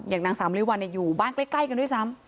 นางสาวริวัลอยู่บ้านใกล้กันด้วยซ้ำ